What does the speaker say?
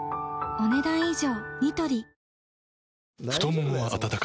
お、ねだん以上。